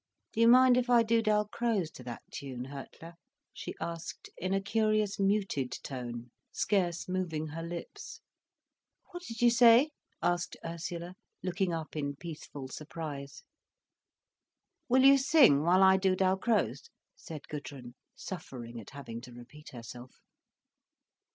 "Do you mind if I do Dalcroze to that tune, Hurtler?" she asked in a curious muted tone, scarce moving her lips. "What did you say?" asked Ursula, looking up in peaceful surprise. "Will you sing while I do Dalcroze?" said Gudrun, suffering at having to repeat herself.